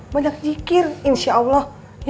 banyak jikir insya allah